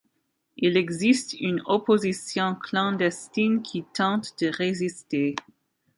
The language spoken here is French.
Il existe une opposition clandestine qui tente de résister.